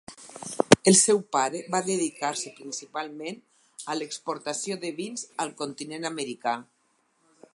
El seu pare va dedicar-se principalment a l’exportació de vins al continent americà.